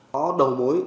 có đầu mối